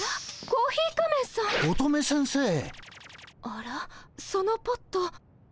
あらそのポット。